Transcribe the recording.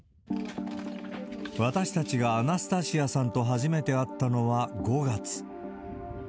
私たちがアナスタシアさんと初めて会ったのは５月。